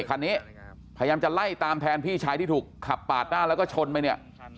คันนี้พยายามจะไล่ตามแทนพี่ชายที่ถูกขับปาดหน้าแล้วก็ชนไปเนี่ย